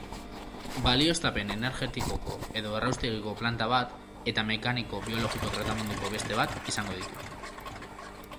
Balioztapen energetikoko edo erraustegiko planta bat eta mekaniko-biologiko tratamenduko beste bat izango ditu.